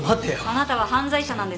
あなたは犯罪者なんです。